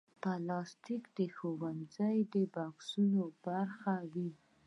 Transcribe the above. پلاستيک د ښوونځي د بکسونو برخه وي.